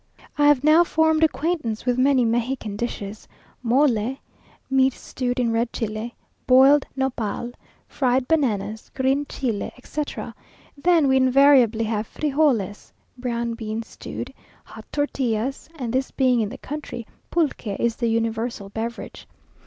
I have now formed acquaintance with many Mexican dishes; mole (meat stewed in red chile), boiled nopal, fried bananas, green chile, etc. Then we invariably have frijoles (brown beans stewed), hot tortillas and this being in the country, pulque is the universal beverage.